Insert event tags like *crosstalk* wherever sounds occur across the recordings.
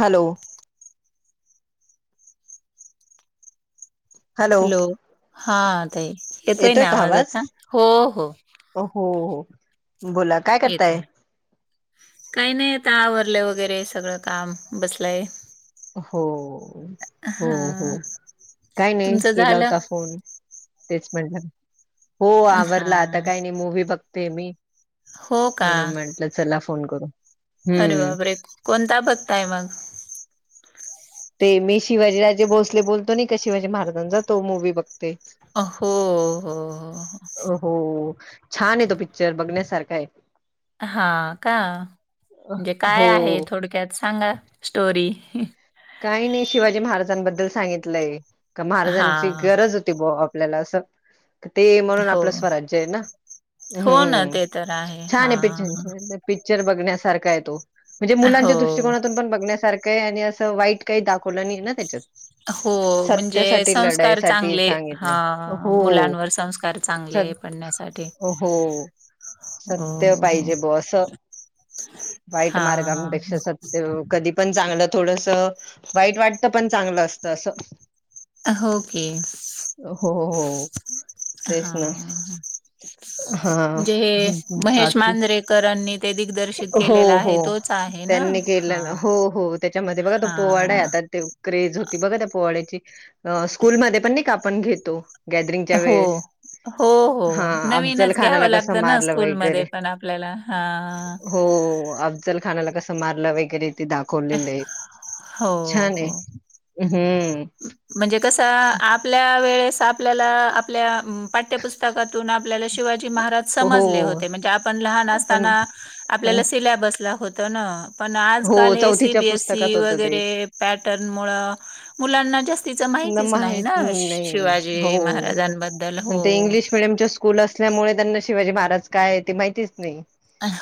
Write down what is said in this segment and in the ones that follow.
Hello... hello हाताई येतोय ना, आवाज आता हो हो ओहो हो बोला की, येतोय आहे काही नाही आता, आवरलं वगैरे, सगळं काम बसलय. हो हो हो हा काय नाही तुमचं केला झालं होता फोन. तेच म्हणलं हो, हा आवरला आता काही नाही मूव्ही बघते मी. हो का म्हणून म्हटलं, चला फोन करू अरे हम्म बापरे कोणता बघताय मग,. ते मी शिवाजीराजे भोसले बोलतो नय का, शिवाजी महाराजांचा तो मू्ही बघ. अ हो हो, अ हो हो, छान आहे तो पिक्चर बघण्यासारखा आहे. अ हः का? म्हणजे हो काय म्हणजे काय आहे थोडक्यात सांगा स्टोरी. काही नाही शिवाजी महाराजांबद्दल सांगितलंय का हा महाराजांची गरज होती बॉ आपल्याला असं. ते म्हणून हो आपलं स्वराज्य आहे ना् हो ना ते तर छान हा आहे पिच पिक्चर बघण्यासारखा आहे तो, म्हणजे मुलांच्या हो दृष्टिककोनातून पण बघण्यासारखं आहे. आणि, असं अ वाईट काही, दाखवलं नाही ना त्याच्यात. अ हो म्हणजे सत्यासाठी संस्कार लढाईसाठी चांगले. सांगितलंय. हः हो. मुलांवर संस्कार चांगले. सत आण्यासाठी हो. सत्य पाहिजे बुवा असं, वाईट हां, हां. मार्गांपेक्षा सत्य कधी पण चांगलं थोडस वाईट वाटतं पण, चांगलं असतं असं. अ, होके हो हो. तेच हा.. ना. हां. जेहे महेश बाकी मांजरेकरांनी ते दिग्दर्शित केलेला हो, आहे. हो. तोच, आहे ना? त्यांनी केलं हां, हो हो त्याच्यामध्ये तो बघा पोवाडा हां. आता ते, क्रेज होती बघा त्या, पोड्याची स्कूल मध्येपण नायका. आपण घेतो गॅदरिंगच्या हो. वेळेस हो हो हां, अफजल नवीनच खानाला घ्यावं कसं लागतं ना मारलं स्कूलमध्ये वगैरे. पण आपल्याला हा हो अफजल खानाला कसं मारलं वगैरे ते दाखवलेलं आहे हो हो हम्म म्हणजे कसं आपल्या वेळेस आप आपल्याला आपल्या पाठ्यपुस्तकातून आपल्याला शिवाजी महाराज. समजले हो. होते म्हणजे आपण लाहान पण असताना पण आपल्याला सिल्याबसला होतंन. पण हो, आजकाल हे, पुस्तकात सीबीएसई होतं ते. वगैरे पॅटर्न मुळ. मुलांना जास्तीच त्यांना माहितीच नाही माहीत ना नाही. शिवाजी महाराजांबद्दल हो डमच्या स्कूल असल्यामुळे त्यांना शिवाजी महाराज काय आहे ते माहितीच नाही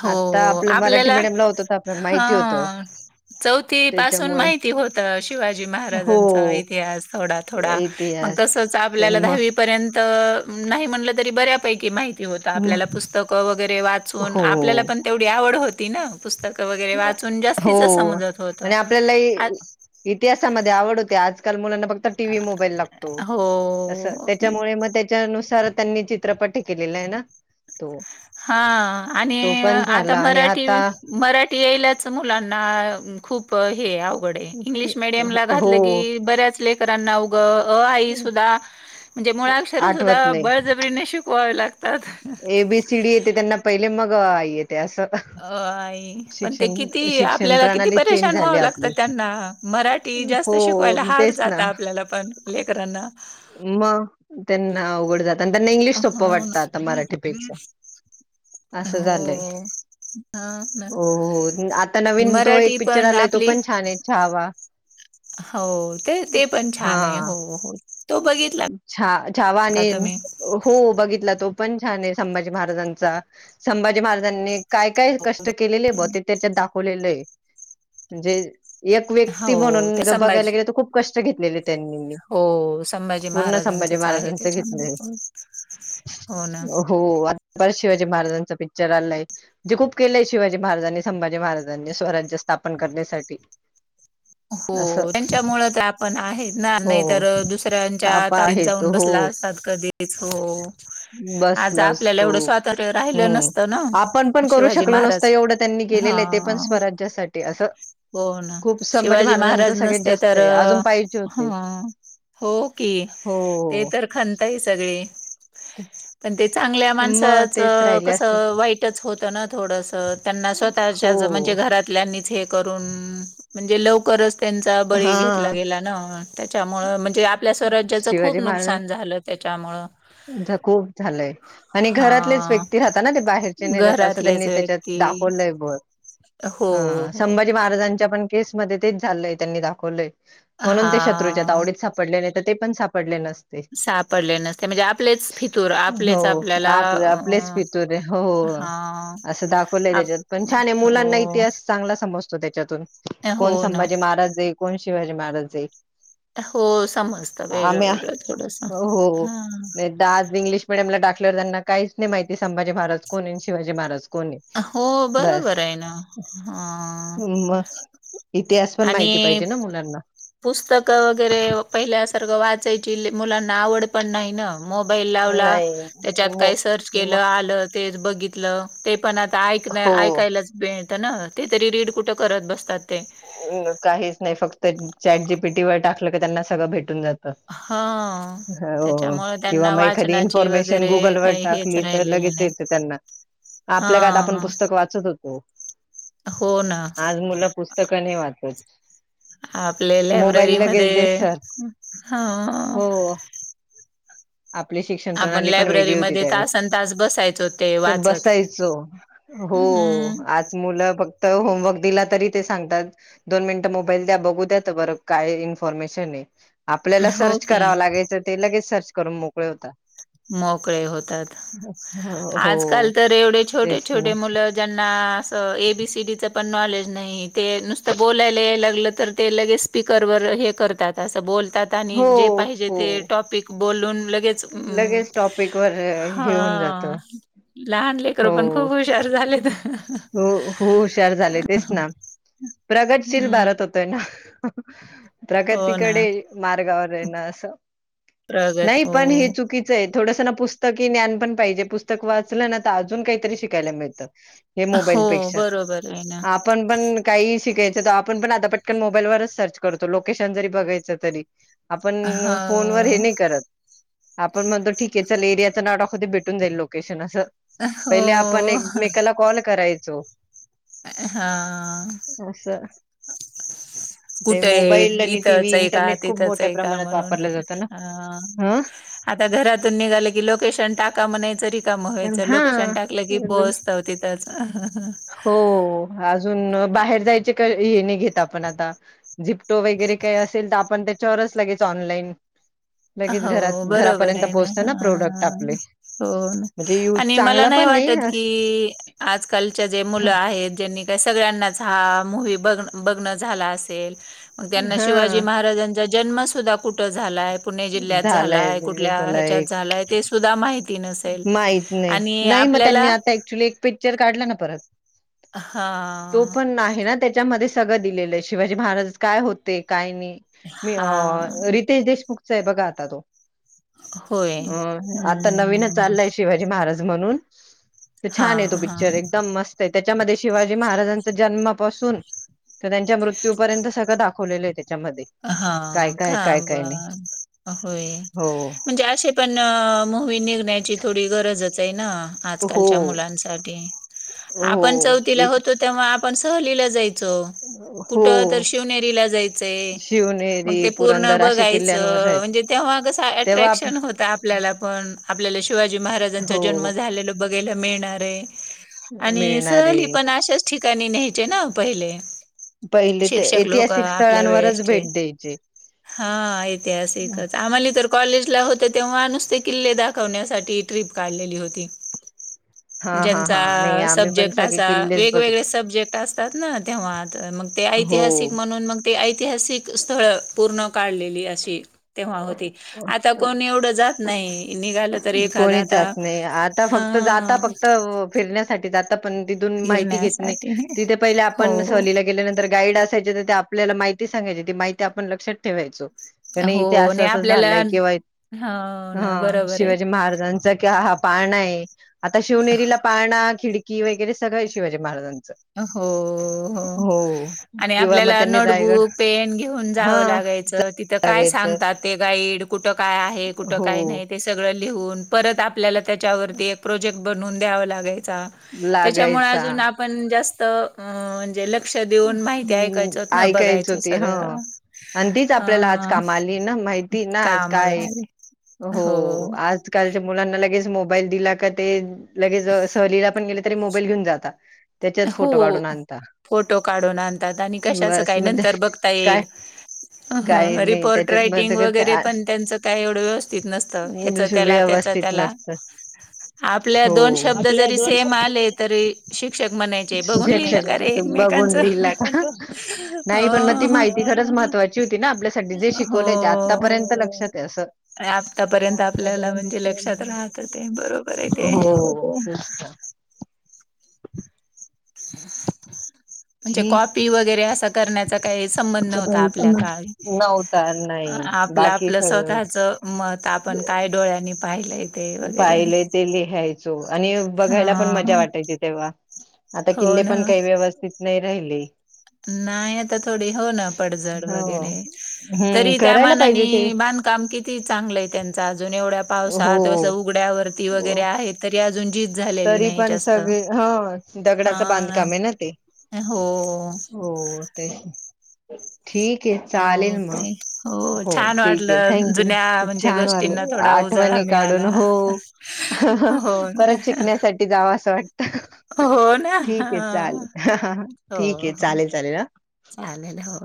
हो आता आपल्या मराठी आपल्याला मिीडियम ला होत तर आपल्याला माहिती होतं हा चौथी पासून त्याच्यामुळे माहिती होत शिवाजी हो महाराजांचा इतिहास थोडा थोडा मग इतिहास तसच तर आपल्याला म दहावी नाही म्हटलं तरी बऱ्यापैकी माहिती होत म आपल्याला पुस्तक वगैरे वाचून हो आपल्याला पण तेवढी आवड होती ना पुस्तक वगरे वाचून जास्तीच हो समजत होत आणि आपल्याला इतिहासामध्ये आवड होते आजकाल मुलांना फक्त टीव्ही मोबाईल लागतो हो असं त्याच्यामुळे मग त्याच्यानुसार त्यांनी चित्रपट केलेला आहे ना तो हा आणि तो पण आता झाला आणि मराठी आता मराठी यायलाच मुलांना खूप हे आव इल मडयमला घात हो की बऱ्याच लेकरांना उ आई सुधा म्हणजे मुळाक्षर आठवत सुद्धा नाही बळजबरीने शिकवावे लागतात ए बीसीडी येते त्यांना पहिले मग येते असं अई पण ते शिक्षण किती शिक्षण आपल्याला किती प्रणाली चेंज परेशान झाली व्हावं आपली लागतं त्यांना मराठी जास्त हो शिकवायला हार्ड तेच ना जात आपल्याला पण लेकरांना मग त्यांना अवघड जात आणि त्यांना इंग्लिश सोप्पं हो वाटतं ना आता मराठीपेक्षा असं झालंय हो हा ना हो आता नवीन तो मराठी एक पिक्चर पण आलाय तो आपली पण छान आहे छहावा हो ते ते पण छान आहे हो हो तो बघितला छ जावानी का तुम्ही हो बघितला तो पण छान आहे संभाजी महाराजांचा संभाजी महाराजांनी काय काय कष्ट केलेले आहे ब ते त्याच्यात दाखवलेलं आहे म्हणजे एक व्यक्ती हो म्हणून त्या जर बघायला संभाजी गेले तर खूप कष्ट घेतलेले त्यांनी हो संभाजी पूर्ण संभाजी महाराजांचच आहे महाराजांचं त्याच्यामध्ये घेतले पण हो ना हो आता शिवाजी महाराजांचा पिक्चर आलाय जे खूप केलेय शिवाजी महाराजांनी संभाजी महाराजांनी स्वराज्य स्थापन करण्यासाठी असं हो त्यांच्यामुळे आपण आहे ना हो नाही तर दुस त आपा आहे जाऊ तो ब हो क आज बसलाच आपल्याला तो एवढ तर राहिलं हम्म नसतं ना आपण पण करू शिवाजी शकलो नसतो महाराज एवढं त्यांनी हा केलेलं आहे ते पण स्वराज्यासाठी असं हो ना खूप संभाजी शिवाजी महाराजांचं महाराज सगळ्यात नसते जास्त तर आहे अजून पाहिजे ह होते हो की ते हो तर खनताई सगळे पण ते चांगल्या मग माणसाच तेच राहिले असते कसं वाईटच होतं ना थोडस त्यां हो स्वतः म्हणज घात कर म्हण लव त्यांचा हा बळी घेतला गेला ना त्याच्यामुळं म्हणजे आपल्या स्वराज्याचं शिवाजी खूप महाराज नुकसान झालं त्याच्यामुळं खूप झालंय आणि घरातलेच हा व्यक्ती राहता ना ते बाहेरचे नाही राहत असं घरातलेच त्यांनी त्याच्यात व्यक्ती दाखोल ला एक बोल हो हो माजच्या पण केस म तेच झालं त्यांनी दाखवलंय म्हणून हा ते शत्रूच्या त आवडीत पडले नाही तर ते पण सापडले नसते सापडले नसते म्हणजे आपलेच फितूर हो आपलेच आपल्याला आप आपलेच पितूरे हो अ हो हा असं दाखवलंय आप त्याच्यात पण छान आहे मुलांना हो इतिहास चांगला समजतो त्याच्यातून हो कोण ना संभाजी महाराज देई कोण शिवाजी महाराज देई हो समजतं वेगळं वेगळं थोडस हो हा नाही आज इंग्लिश मिडियम ला टाकल्यावर त्यांना काहीच नाही माहिती संभाजी महाराज कोण आहे शिवाजी महाराज कोण आहे. हो बस बरोबर आहे ना. हां. म इतिहास पण आणि माहिती पाहिजे मुलांना. पुस्तकं वगैरे पहिल्यासारखं वाचायची मुलांना आवड पण नाही ना. मोबाईल लावला नाही त्याच्यात म काही सर्च केलं म आलं तेच बघितलं ते पण आता ऐक हो ऐकायलाच भेट तना ते तरी रीड कुठं करत बसतात ते. काहीच नाही फक्त चॅट जी पीटीवर टाकलं क त्यांना सगळं भेटून जा त. हां. हो त्याच्यामुळे किंवा त्यांना मग एखा वाचनाची इन्फॉर्मेशन वगैरे गुगल वर काही हेच टाकली तर राहिलेले लगेच ये नाही. त्यांना आपल्या काळात आपण हां. पुस्तक वाचत होतो. हो ना! मुल पुस्तक नाही वाचत. आपले मोबाईल लायब्ररी लगेच मध्ये देतात हा हो. आपली शिक्षण आपण प्रणाली पण वेगळी होती लायब्ररीमध्ये त्यावेळेस तासन तास बसायचो ते त वाचत. बसायचो. हो हम्म आज मुलं फक्त होमवर्क दिला तरी ते सांगतात दोन मिनिट मोबाईल द्या बघू द्या बर काय इन्फॉर्मेशन आहे. आपल्याला हो सर्च की करावं लागायचं ते लगेच सर्च करून मोकळे होता. मोकळे होतात हो आजकाल तर एवढे छोटे तेच ना छोटे मुलं ज्यांना असं एबीसीडीच पण नॉलेज नाही ते नुसतं बोलायला यालागलं तर ते लगेच स्पीकरवर हे करतात असं बोलतात आणि हो जे पाहिजे हो ते टॉपिक बोलून लगेच अम लगेच टॉपिक वर हा हे होऊन जात. लहान लेकर पण खूप हुशार झालेत. हो हो हुशार झाले तेच ना प्रगतशील भारत हम्म. हो तोय ना. हो ना. प्रगतीकडे मार्गावर आहे ना असं प्रगती नाही हो. पण ही चुकी च आहे, थोडस पुस्तक ज्ञान पण पाहिजे पुस्तक वाचलं ना तर अजून काहीतरी शिकायला मिळत. हे हो, मोबाईलपेक्षा बरोबर आहे ना. आप आपण पण काही शिकायच तर आपण पण आता पटकन मोबाईलवरच सर्च करतो लोकेशन जरी बघायच तरी. आपण फोनवर हे हां. नाही करत. आपण म्हणतो ठीक आहे चल एरियाच नाव टाकूदे भेटून जाईल लोकेशन असं. हो. पहिले आपण एकमेकाला कॉल करायचो. हा! अस कुठे आहे इथंच आहे का खूप तिथंच मोठ्या आहे का प्रमाणात म्हणून वापरलं जातं ना हा ह आता घरातून निघालं की लोकेशन टाका म्हणायचं रिकाम व्हायचं लोकेशन टाकलं की हा पोहचत. तीथच. हो अजून बाहेर जायचे का हे नाही घेत आपण आता झिप टो वगैरे काही असेल तर आपण त्याच्यावरच लागेच ऑनलाईन लगेच घरात हो बरोबर घरापर्यंत आहे पोहोचत ना प्रोडक्ट हां. आपले हो म्हणजे यूज चांगला पण आहे. कि आजकालच्या जे मुलं आहेत ज्यांनी काय सगळ्यांनाच हा मोहीम बघण झाल असेल त्यांना शिवाजी हा महाराजां चा जन्म सुधा कुठ झालाय पुणे जिल्ह्यात झालाय कुठल्या त्याला ह्याच्यात एक झाला ते सुद्धा माहिती नसेल माहित नाही आणि नाही मग त्यांनी आपल्याला आता पिक्चर काढला ना परत तो हां पण आहे ना त्या त्याच्यामध्ये सगळं दिलेलं आहे शिवाजी महाराज काय होते काय नाही. मी अ हां रितेश देशमुखचा आहे बघा आता तो. होय. अ आता नवीन हम्म शिवाजी महाराज म्हणून तर छान आहे हां तो हां पिक्चर एकदम मस्त त्याच्यामध्ये शिवाजी महाराजांचा जन्मापासून तर त्यांच्या मृत्यूपर्यंत सगळं दाखवलेलं आहे त्याच्यामध्ये. हा काय काय का काय काय नाही ब होय, हो म्हणजे असे पण म *unintelligible* थोडी गरजच आहे ना, हो आजकालच्या मुलांसाठी हो आपण चौथीला इ- होतो तेव्हा आपण सहलीला जायचो, हो कुठं तर शिवनेरीला जगायचंय. मग शिवनेरी ते पूर्ण पुरंदर असे किल्ल्यांवर बघायचं आहेत म्हणजे, तेव्हा कसं तेव्हा आप- अट्रॅक्शन होत आपल्याला पण आपल्याला शिवाजी महाराजांचा हो जन्म झालेला बघायला मिळणार आहे. आणि मिळणारे सहली पण अशाच ठिकाणी न्यायचे ना पहिले. पहिले ते शिक्षक लोक ऐतिहासिक आपल्या, स्थळांवरच वेळेचे भेट द्यायचे हा ऐतिहासिकचं आम्हाला तर कॉलेजला होतो, तेव्हा नुसते किल्ले दाखवण्यासाठी ट्रीप काढलेली होती. *inaudible* हा हा नाही ज्यांचा आम्ही पण सब्जेक्ट सगळे असा किल्लेच वेगवेगळे बघितले सब्जेक्ट असतात, ना तेव्हा मग ते हो ऐतिहासिक म्हणून, मग ते ऐतिहासिक स्थळ पूर्ण काढलेली अशी तेव्हा होती, आता कोण एवढं जात नाही निघाल कोणीच जात नाही, आता फक्त जाता हां, फक्त फिरण्यासाठी जातात पण तिथून माहिती घेत नाही, फिरण्यासाठी तिथे पहिले आपण हो. सहलीला गेल्यांतर गाईड असायच्या त्या आपल्याला माहिती सांगायच्या ती माहिती आपण लक्षात ठेवायचो. कि नाही हो इथे आणि असं असं आपल्याला झालंय, किंवा इ हो ह ना बरोबर आहे. महारांचा हा पाळना आहे, आता शिवनेरीला पाळना खिडकी की वगैरे सगळं आहे शिवाजी महाराजांचं. होअ हो. आणि किंवा मग आपल्याला त्यांनी नोट रायगड बुक पेन घेऊन हा जावं लागायचं, तिथं काय लागायचं सांगतात. ते गाईड कुठ काय आहे, कुठ हो काय नाही ते सगळं लिहून परत आपल्याला? त्याच्यावरती एक प्रोजेक्ट बनवून द्यावा लागायचा, त्याच्यामुळे लागायचा अजून आपण जास्त म म्हणजे ल हम्म ऐकायचो ते हा सगळं आणि तीच आपल्याला आज हा कामा आली ना माहिती ती ना आज कामाला काय आले हो, आज आज कालच्या मुलांना लगेच मोबाईल दिल, का ते लगेच सहलीला पण गेले *unintelligible* मोबाईल घेऊन जातात, त्याच्यात हो फोटो काढून आणता. फोटो काढून आणतात, आणि कशाच बस काय मग ते नंतर बघता काय येईल. काय अह नाही रिपोर्ट त्याच्यात मग ते रायटिंग वगैरे पण त्यांचं काही एवढं व्यवस्थित नसतं, ह्याच कसं त्याला त्याच व्यवस्थित त्याला *unintelligible* आपले हो. दोन शब्द आपल्या जरी दोन सेम शब्द आले, जरी तरी शिक्षक म्हणायचे बघून लिहिलं का रे *unintelligible* बघून एकमेकांचं. लिहला का नाही पण, मग ती हो माहिती खरंच महत्वाची *unintelligible* होती ना, आपल्यासाठी जे शिकवलंय ते हो. आतापर्यंत लक्षात आहे असं आतापर्यंत आपल्याला आतापर्यंत म्हणजे आपल्या लक्षात राहत मेमरीत ते बरोबर आहे ते. आहे. म्हणजे, कॉपी वगैरे असं करण्याचा काही संबंध नव्हता, आपल्या काळी नव्हता नाही आपलं बाकी आपलं सगळं स्वतःच म त आपण काय डोळ्यांनी पाहिलंय. ते वगैरे. पाहिलंय ते लिहायचो आणि बघायला पण हा मजा वाटायची तेव्हा, आता हो किल्ले ना. पण काही व्यवस्थित नाही राहिले. नाही आता थोडी हो, ना पडझड हो वगैरे हम्म तरी त्या करायला पाहिजे ते मानानी बांधकाम किती चांगलंय, त्यांच अजून एवढ्या पावसात हो उघड्या वरती वगैरे आहेत तरी अजून झीज झालेली तरी नाही, पण जास्त सगळे ह दगडाचं हा ना. बांधकाम आहे ते हो अ. हो, ते. ठीक आहे हो चालेल, मग ताई हो छान ठीक आहे वाटलं थँक जुन्या यू म्हणजे छान! गोष्टींना थोडा वाटल उजाळा *unintelligible* काढून मिळाला हो अह ह हो ना परत *unintelligible* शिकण्यासाठी जाव असं वाटत. हो ना ठीक ये चालेल, अह हा हा हो ठीक ये हो चालेल चालेल हा. चालेल हो